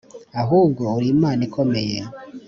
ahubwo uri imana ikomeye